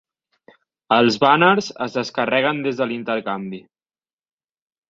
Els bàners es descarreguen des de l'intercanvi.